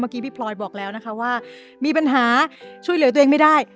พี่พลอยบอกแล้วนะคะว่ามีปัญหาช่วยเหลือตัวเองไม่ได้